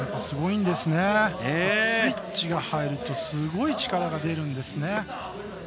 スイッチが入るとすごい力が出るんですね。